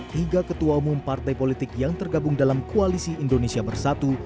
tiga ketua umum partai politik yang tergabung dalam koalisi indonesia bersatu